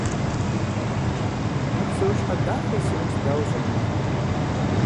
Мы псэущхьэ дахэр си ӀэкӀэ дауэ сукӀыжыну?